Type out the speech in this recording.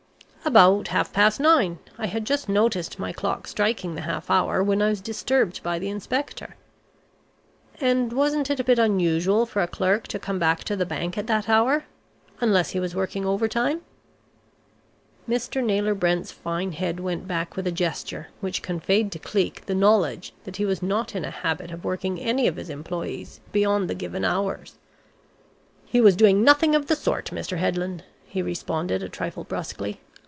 "About half past nine. I had just noticed my clock striking the half hour, when I was disturbed by the inspector " "And wasn't it a bit unusual for a clerk to come back to the bank at that hour unless he was working overtime?" Mr. Naylor Brent's fine head went back with a gesture which conveyed to Cleek the knowledge that he was not in a habit of working any of his employees beyond the given hours. "He was doing nothing of the sort, Mr. Headland," he responded, a trifle brusquely.